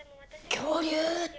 恐竜！って。